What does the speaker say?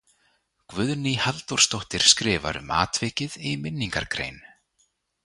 Guðný Halldórsdóttir skrifar um atvikið í minningargrein.